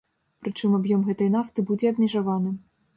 Прычым аб'ём гэтай нафты будзе абмежаваны.